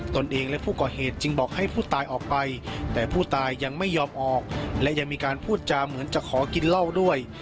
ตนเองและผู้ก่อเหตุจึงบอกให้ผู้ตายออกไปแต่ผู้ตายยังไม่ยอมออกและยังมีการพูดจาเหมือนจะขอกินเหล้าด้วย